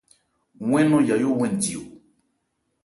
Wɛ́n nɔn Yayó 'wɛn di.